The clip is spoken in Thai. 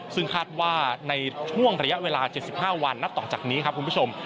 ซึ่งคาดว่าในช่วงระยะเวลา๗๕วันนับต่อจากนี้ครับคุณผู้ชม